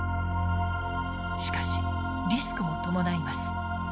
しかしリスクも伴います。